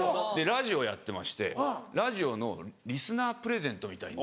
ラジオやってましてラジオのリスナープレゼントみたいので。